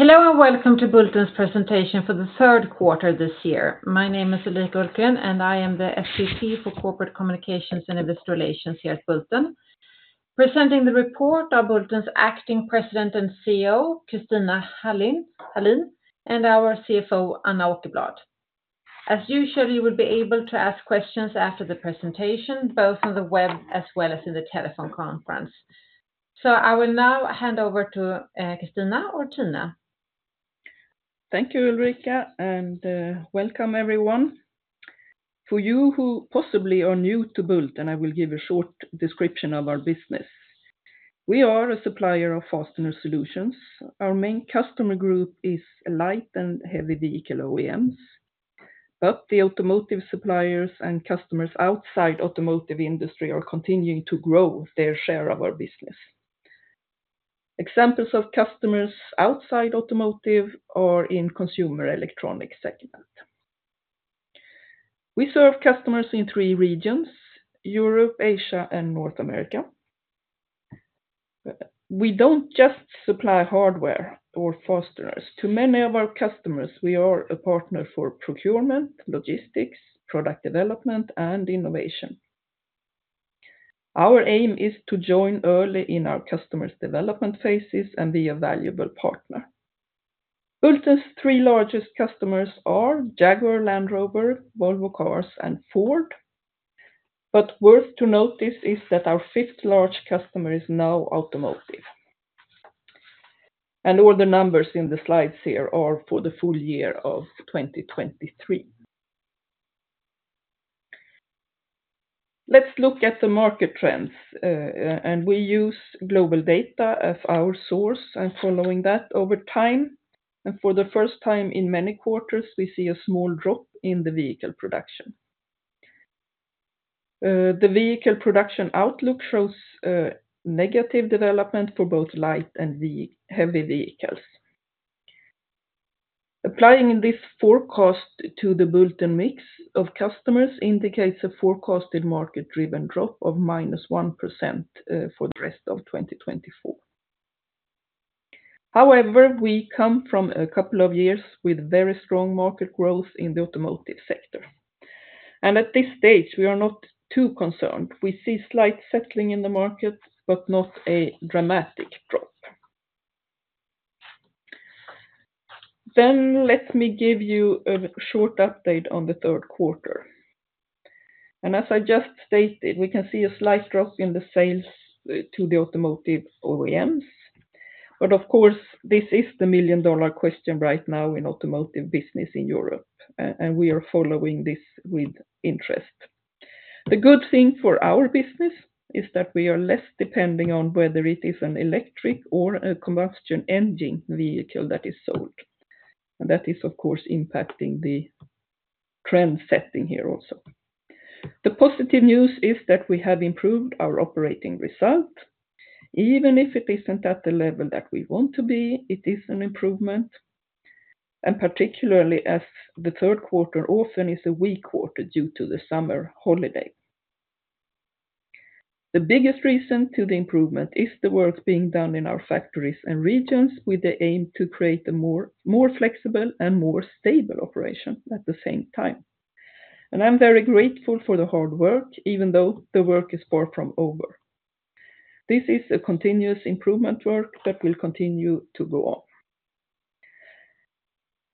Hello, and welcome to Bulten's presentation for the third quarter this year. My name is Ulrika Ulfgren, and I am the SVP for Corporate Communications and Investor Relations here at Bulten. Presenting the report are Bulten's Acting President and CEO, Christina Hallin, and our CFO, Anna Åkerblad. As usual, you will be able to ask questions after the presentation, both on the web as well as in the telephone conference. So I will now hand over to Christina or Tina. Thank you, Ulrika, and welcome everyone. For you who possibly are new to Bulten, I will give a short description of our business. We are a supplier of fastener solutions. Our main customer group is light and heavy vehicle OEMs, but the automotive suppliers and customers outside automotive industry are continuing to grow their share of our business. Examples of customers outside automotive are in consumer electronic segment. We serve customers in three regions: Europe, Asia, and North America. We don't just supply hardware or fasteners. To many of our customers, we are a partner for procurement, logistics, product development, and innovation. Our aim is to join early in our customers' development phases and be a valuable partner. Bulten's three largest customers are Jaguar Land Rover, Volvo Cars, and Ford. But worth to notice is that our fifth large customer is non-automotive. All the numbers in the slides here are for the full year of 2023. Let's look at the market trends, and we use global data as our source and following that over time, and for the first time in many quarters, we see a small drop in the vehicle production. The vehicle production outlook shows negative development for both light and heavy vehicles. Applying this forecast to the Bulten mix of customers indicates a forecasted market-driven drop of minus 1%, for the rest of 2024. However, we come from a couple of years with very strong market growth in the automotive sector. And at this stage, we are not too concerned. We see slight settling in the market, but not a dramatic drop. Let me give you a short update on the third quarter. As I just stated, we can see a slight drop in the sales to the automotive OEMs, but of course, this is the million-dollar question right now in automotive business in Europe, and we are following this with interest. The good thing for our business is that we are less depending on whether it is an electric or a combustion engine vehicle that is sold, and that is, of course, impacting the trend setting here also. The positive news is that we have improved our operating result. Even if it isn't at the level that we want to be, it is an improvement, and particularly as the third quarter often is a weak quarter due to the summer holiday. The biggest reason to the improvement is the work being done in our factories and regions with the aim to create a more, more flexible and more stable operation at the same time, and I'm very grateful for the hard work, even though the work is far from over. This is a continuous improvement work that will continue to go on.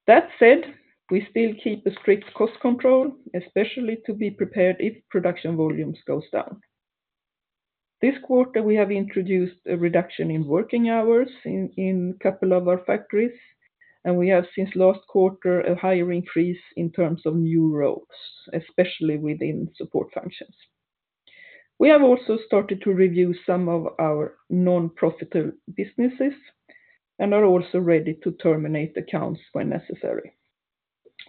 That said, we still keep a strict cost control, especially to be prepared if production volumes goes down. This quarter, we have introduced a reduction in working hours in a couple of our factories, and we have, since last quarter, a higher increase in terms of new roles, especially within support functions. We have also started to review some of our non-profitable businesses and are also ready to terminate accounts when necessary.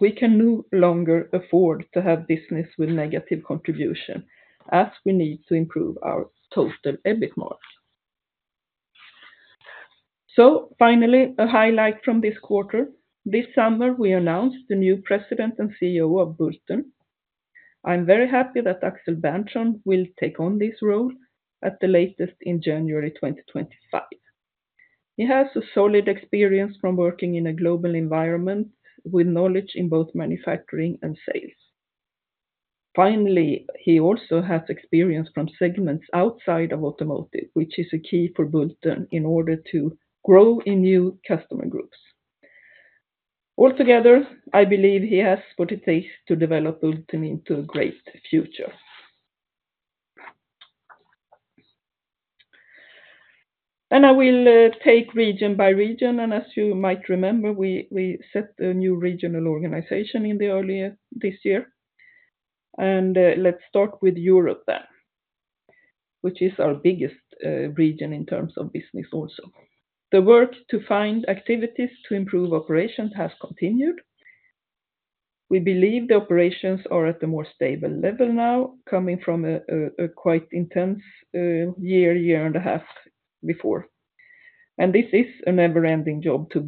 We can no longer afford to have business with negative contribution, as we need to improve our total EBIT margin. So finally, a highlight from this quarter. This summer, we announced the new President and CEO of Bulten. I'm very happy that Axel Berntsson will take on this role at the latest in January 2025. He has a solid experience from working in a global environment with knowledge in both manufacturing and sales. Finally, he also has experience from segments outside of automotive, which is a key for Bulten in order to grow in new customer groups. Altogether, I believe he has what it takes to develop Bulten into a great future. And I will take region by region, and as you might remember, we set a new regional organization in early this year. Let's start with Europe then, which is our biggest region in terms of business also. The work to find activities to improve operations has continued. We believe the operations are at a more stable level now, coming from a quite intense year and a half before. This is a never-ending job to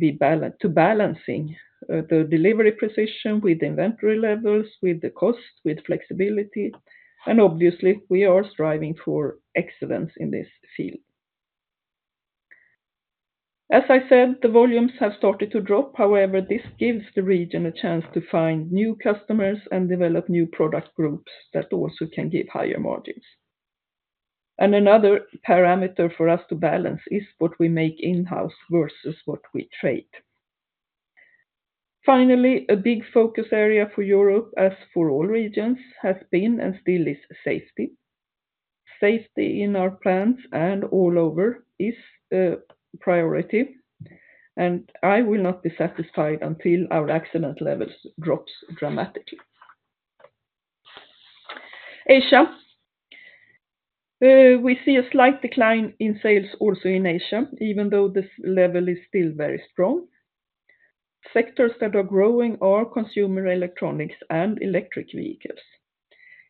balancing the delivery precision with inventory levels, with the cost, with flexibility, and obviously, we are striving for excellence in this field. As I said, the volumes have started to drop. However, this gives the region a chance to find new customers and develop new product groups that also can give higher margins. Another parameter for us to balance is what we make in-house versus what we trade. Finally, a big focus area for Europe, as for all regions, has been and still is safety. Safety in our plants and all over is priority, and I will not be satisfied until our accident levels drops dramatically. Asia, we see a slight decline in sales also in Asia, even though this level is still very strong. Sectors that are growing are consumer electronics and electric vehicles.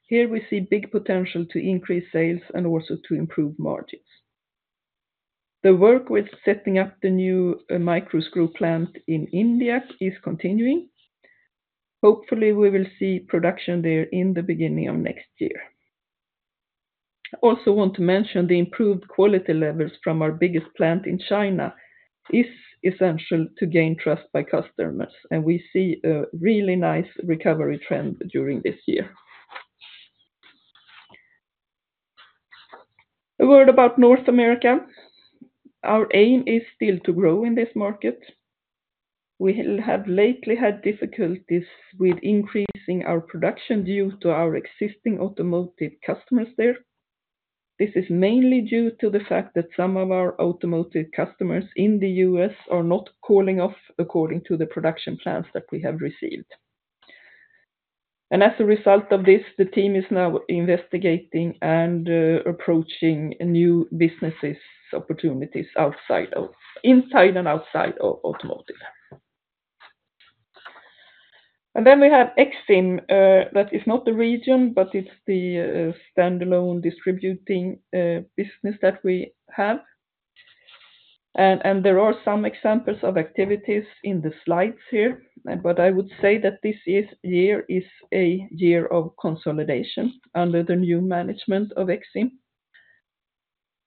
Here we see big potential to increase sales and also to improve margins. The work with setting up the new micro screw plant in India is continuing. Hopefully, we will see production there in the beginning of next year. I also want to mention the improved quality levels from our biggest plant in China is essential to gain trust by customers, and we see a really nice recovery trend during this year. A word about North America: our aim is still to grow in this market. We have lately had difficulties with increasing our production due to our existing automotive customers there. This is mainly due to the fact that some of our automotive customers in the US are not calling off according to the production plans that we have received. And as a result of this, the team is now investigating and approaching new business opportunities inside and outside of automotive. And then we have Exim that is not the region, but it's the standalone distribution business that we have. And there are some examples of activities in the slides here, but I would say that this year is a year of consolidation under the new management of Exim.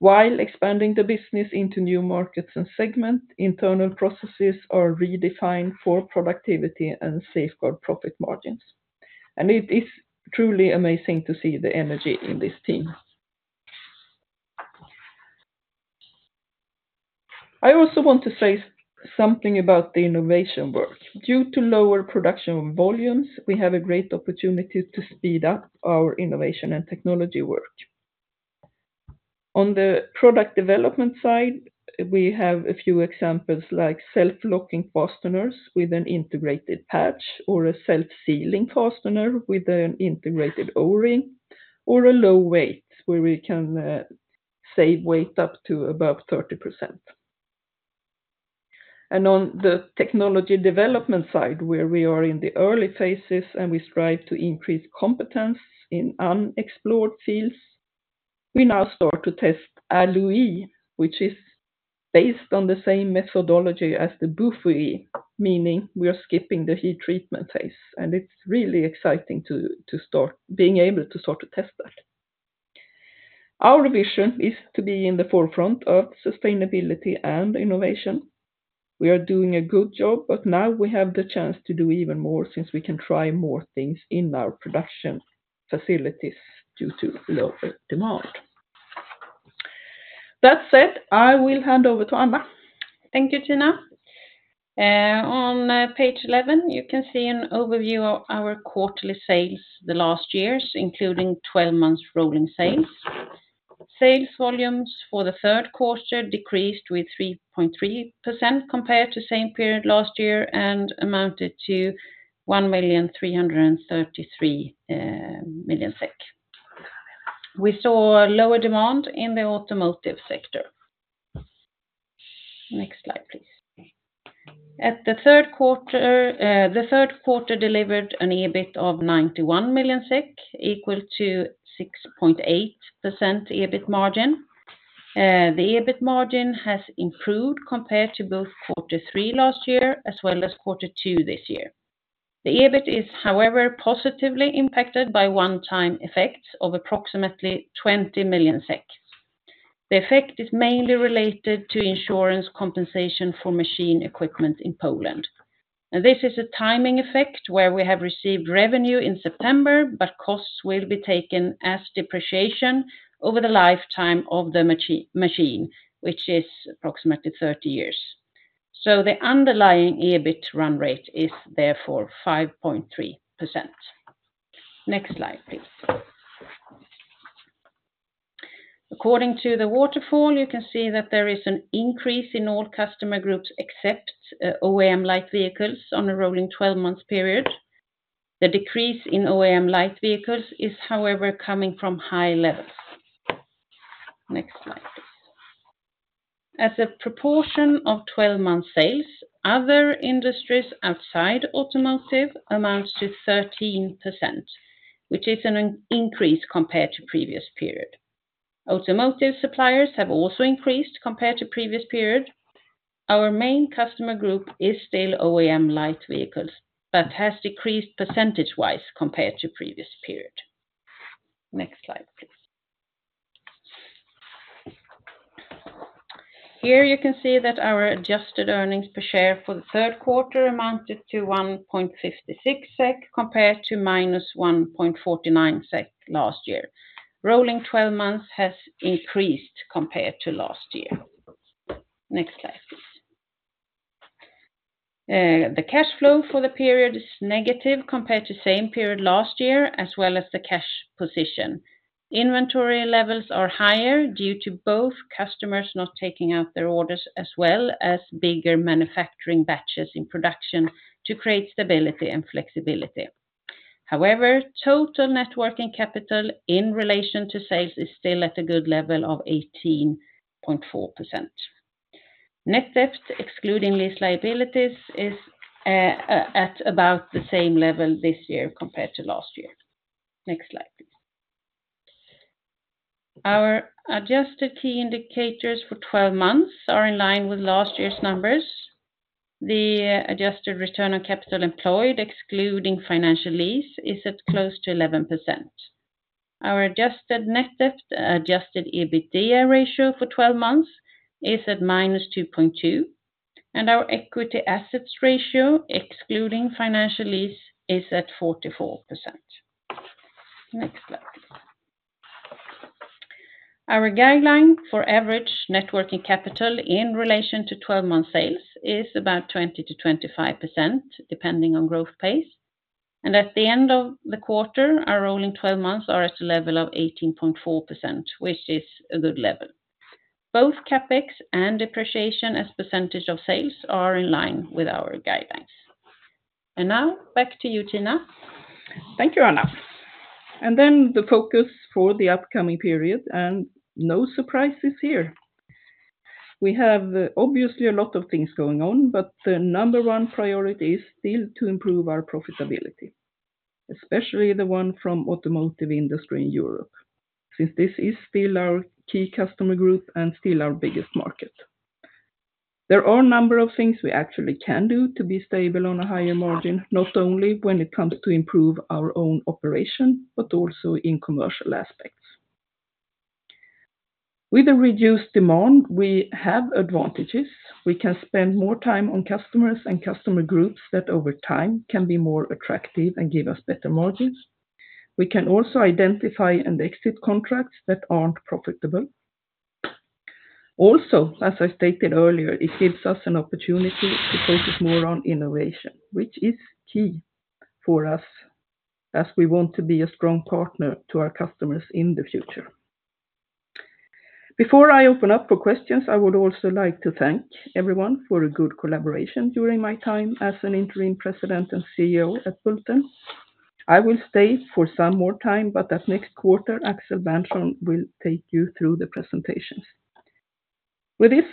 While expanding the business into new markets and segment, internal processes are redefined for productivity and safeguard profit margins. And it is truly amazing to see the energy in this team. I also want to say something about the innovation work. Due to lower production volumes, we have a great opportunity to speed up our innovation and technology work. On the product development side, we have a few examples, like self-locking fasteners with an integrated patch, or a self-sealing fastener with an integrated O-ring, or a low weight, where we can save weight up to above 30%. And on the technology development side, where we are in the early phases, and we strive to increase competence in unexplored fields, we now start to test Alu-E, which is based on the same methodology as the BUFO, meaning we are skipping the heat treatment phase, and it's really exciting to start being able to test that. Our vision is to be in the forefront of sustainability and innovation. We are doing a good job, but now we have the chance to do even more since we can try more things in our production facilities due to lower demand. That said, I will hand over to Anna. Thank you, Tina. On page eleven, you can see an overview of our quarterly sales the last years, including 12 months rolling sales. Sales volumes for the third quarter decreased with 3.3% compared to same period last year, and amounted to 1,333 million SEK. We saw a lower demand in the automotive sector. Next slide, please. At the third quarter, the third quarter delivered an EBIT of 91 million SEK, equal to 6.8% EBIT margin. The EBIT margin has improved compared to both quarter three last year as well as quarter two this year. The EBIT is, however, positively impacted by one-time effects of approximately 20 million SEK. The effect is mainly related to insurance compensation for machine equipment in Poland. This is a timing effect where we have received revenue in September, but costs will be taken as depreciation over the lifetime of the machine, which is approximately 30 years. The underlying EBIT run rate is therefore 5.3%. Next slide, please. According to the waterfall, you can see that there is an increase in all customer groups except OEM light vehicles on a rolling 12-month period. The decrease in OEM light vehicles is, however, coming from high levels. Next slide, please. As a proportion of 12-month sales, other industries outside automotive amounts to 13%, which is an increase compared to previous period. Automotive suppliers have also increased compared to previous period. Our main customer group is still OEM light vehicles, but has decreased percentage-wise compared to previous period. Next slide, please. Here you can see that our adjusted earnings per share for the third quarter amounted to 1.56 SEK, compared to -1.49 SEK last year. Rolling twelve months has increased compared to last year. Next slide, please. The cash flow for the period is negative compared to same period last year, as well as the cash position. Inventory levels are higher due to both customers not taking out their orders, as well as bigger manufacturing batches in production to create stability and flexibility. However, total net working capital in relation to sales is still at a good level of 18.4%. Net debt, excluding lease liabilities, is at about the same level this year compared to last year. Next slide, please. Our adjusted key indicators for twelve months are in line with last year's numbers. The adjusted return on capital employed, excluding financial lease, is at close to 11%. Our adjusted net debt, adjusted EBITDA ratio for 12 months is at minus 2.2, and our equity assets ratio, excluding financial lease, is at 44%. Next slide. Our guideline for average net working capital in relation to 12-month sales is about 20%-25%, depending on growth pace. At the end of the quarter, our rolling 12 months are at a level of 18.4%, which is a good level. Both CapEx and depreciation as percentage of sales are in line with our guidelines. Now back to you, Tina. Thank you, Anna. And then the focus for the upcoming period, and no surprises here. We have obviously a lot of things going on, but the number one priority is still to improve our profitability, especially the one from automotive industry in Europe, since this is still our key customer group and still our biggest market. There are a number of things we actually can do to be stable on a higher margin, not only when it comes to improve our own operation, but also in commercial aspects. With a reduced demand, we have advantages. We can spend more time on customers and customer groups that, over time, can be more attractive and give us better margins. We can also identify and exit contracts that aren't profitable. Also, as I stated earlier, it gives us an opportunity to focus more on innovation, which is key for us as we want to be a strong partner to our customers in the future. Before I open up for questions, I would also like to thank everyone for a good collaboration during my time as Interim President and CEO at Bulten. I will stay for some more time, but at next quarter, Axel Berntsson will take you through the presentations. With this,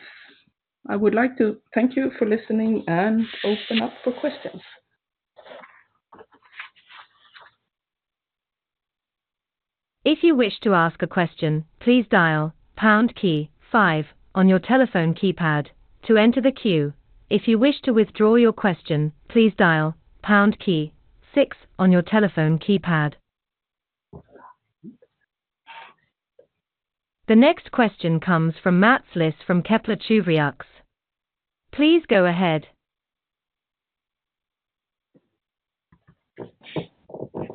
I would like to thank you for listening and open up for questions. If you wish to ask a question, please dial pound key five on your telephone keypad to enter the queue. If you wish to withdraw your question, please dial pound key six on your telephone keypad. The next question comes from Mats Liss from Kepler Cheuvreux. Please go ahead.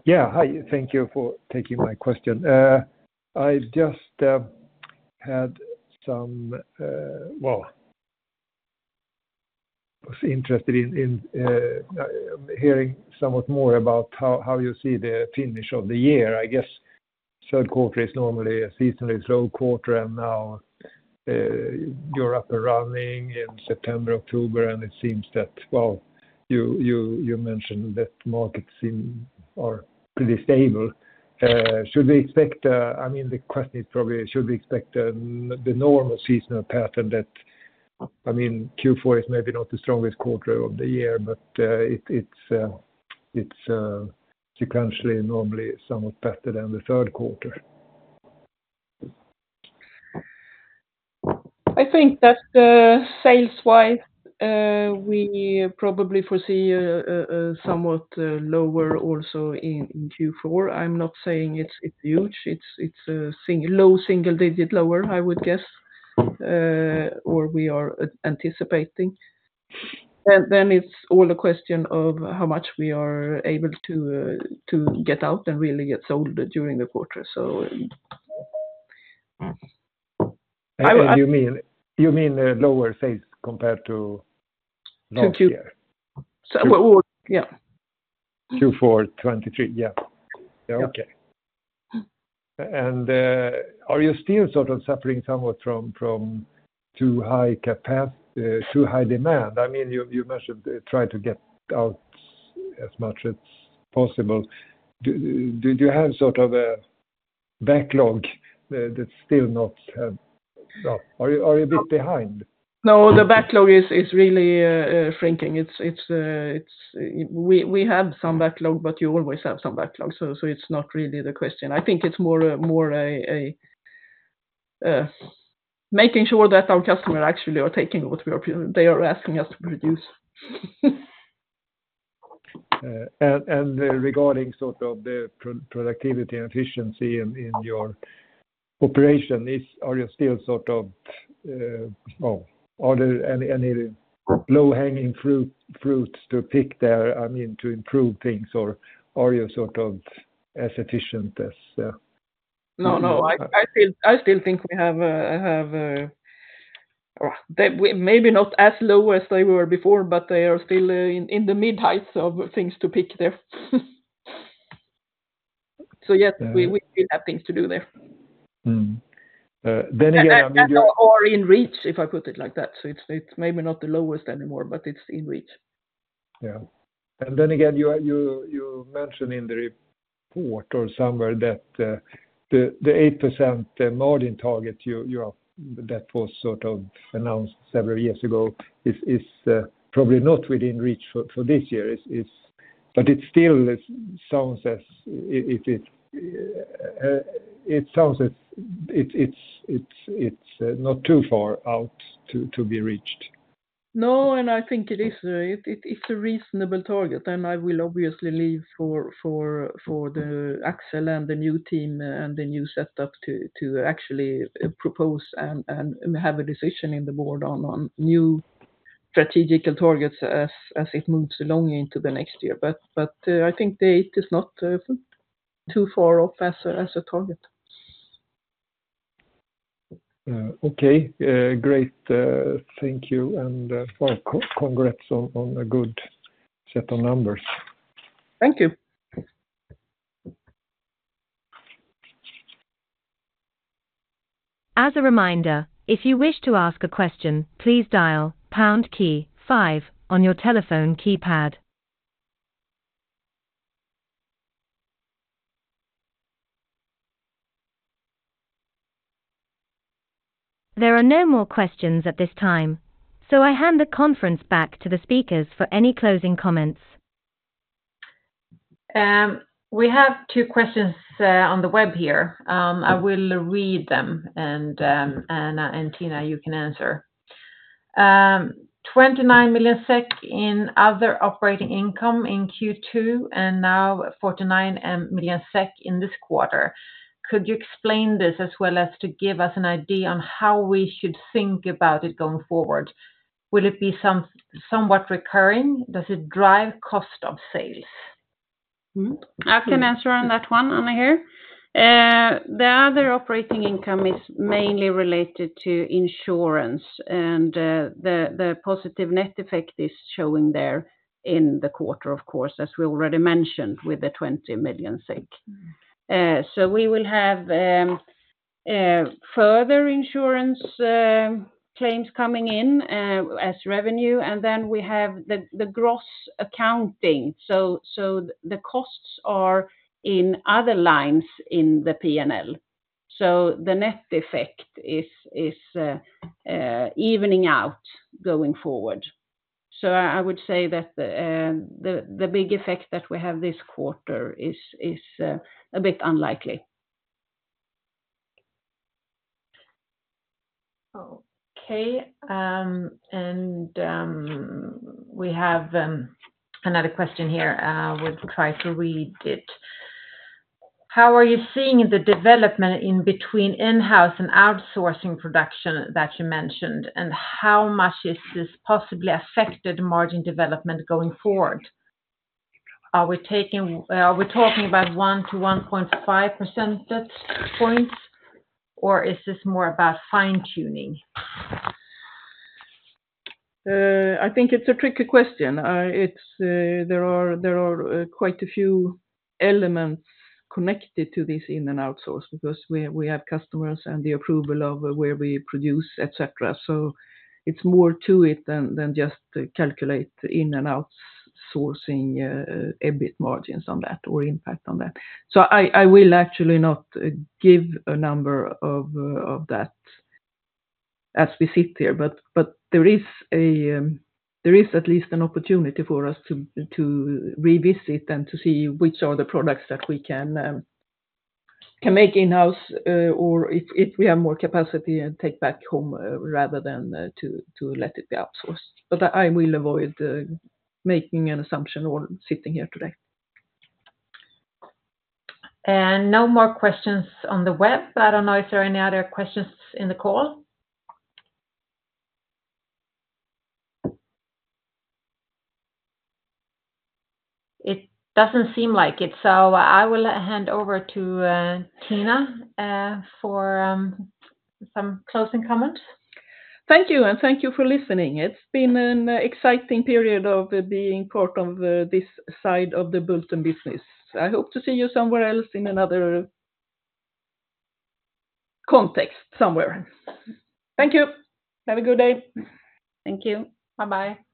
Yeah, hi, thank you for taking my question. Well, I was interested in hearing somewhat more about how you see the finish of the year. I guess third quarter is normally a seasonally slow quarter, and now you're up and running in September, October, and it seems that, well, you mentioned that markets seem pretty stable. Should we expect, I mean, the question is probably, should we expect the normal seasonal pattern that, I mean, Q4 is maybe not the strongest quarter of the year, but it's sequentially normally somewhat better than the third quarter? I think that sales-wise we probably foresee somewhat lower also in Q4. I'm not saying it's huge, it's a low single digit lower, I would guess, or we are anticipating. And then it's all a question of how much we are able to get out and really get sold during the quarter, so. You mean lower sales compared to last year? Well, yeah. Q4 2023, yeah. Yeah, okay. Mm-hmm. Are you still sort of suffering somewhat from too high demand? I mean, you mentioned try to get out as much as possible. Do you have sort of a backlog that's still not... Are you a bit behind? No, the backlog is really shrinking. We have some backlog, but you always have some backlog, so it's not really the question. I think it's more a making sure that our customer actually are taking what they are asking us to produce.... and regarding sort of the productivity and efficiency in your operation, are you still sort of, are there any low-hanging fruits to pick there, I mean, to improve things, or are you sort of as efficient as? No, no, I still think they are maybe not as low as they were before, but they are still in the mid-teens of things to pick there. So, yes, we still have things to do there. Then again, I mean- Or in reach, if I put it like that. So it's, it's maybe not the lowest anymore, but it's in reach. Yeah. And then again, you mentioned in the report or somewhere that the 8% margin target you know that was sort of announced several years ago is probably not within reach for this year. But it still sounds as if it's not too far out to be reached. No, and I think it is a reasonable target, and I will obviously leave for Axel and the new team and the new setup to actually propose and have a decision in the board on new strategic targets as it moves along into the next year. But I think the eight is not too far off as a target. Okay. Great, thank you, and, well, congrats on a good set of numbers. Thank you. As a reminder, if you wish to ask a question, please dial pound key five on your telephone keypad. There are no more questions at this time, so I hand the conference back to the speakers for any closing comments. We have two questions on the web here. I will read them, and Anna and Tina, you can answer. 29 million SEK in other operating income in Q2, and now 49 million SEK in this quarter. Could you explain this as well as to give us an idea on how we should think about it going forward? Will it be somewhat recurring? Does it drive cost of sales? I can answer on that one, Anna, here. The other operating income is mainly related to insurance, and the positive net effect is showing there in the quarter, of course, as we already mentioned, with the 20 million SEK. So we will have further insurance claims coming in as revenue, and then we have the gross accounting. So the costs are in other lines in the P&L, so the net effect is evening out going forward. So I would say that the big effect that we have this quarter is a bit unlikely. Okay, and we have another question here. I will try to read it. How are you seeing the development in between in-house and outsourcing production that you mentioned, and how much is this possibly affected margin development going forward? Are we talking about 1 to 1.5 percentage points, or is this more about fine-tuning? I think it's a tricky question. It's there are quite a few elements connected to this in- and outsourcing because we have customers and the approval of where we produce, et cetera. So it's more to it than just calculate the in- and outsourcing EBIT margins on that or impact on that. So I will actually not give a number of that as we sit here, but there is at least an opportunity for us to revisit and to see which are the products that we can make in-house, or if we have more capacity and take back home, rather than to let it be outsourced. But I will avoid making an assumption while sitting here today. No more questions on the web. I don't know if there are any other questions in the call? It doesn't seem like it, so I will hand over to Tina for some closing comments. Thank you, and thank you for listening. It's been an exciting period of being part of this side of the Bulten business. I hope to see you somewhere else in another context somewhere. Thank you. Have a good day. Thank you. Bye-bye.